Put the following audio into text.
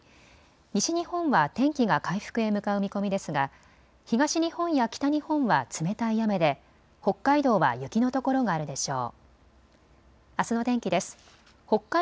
西日本は天気が回復へ向かう見込みですが東日本や北日本は冷たい雨で北海道は雪のところがあるでしょう。